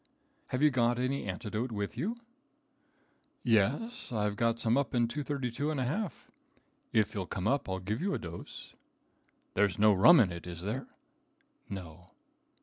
"Have you got any antidote with you?" "Yes, I've got some up in 232 1/2. If you'll come up I'll give you a dose." "There's no rum in it, is there?" "No."